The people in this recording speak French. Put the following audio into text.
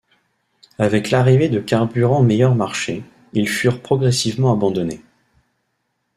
Avec l'arrivée de carburants meilleur marché, ils furent progressivement abandonnés.